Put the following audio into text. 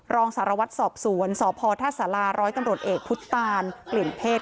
รองสารวัตรสอบสวนสพท่าสาราร้อยตำรวจเอกพุทธตานกลิ่นเพศ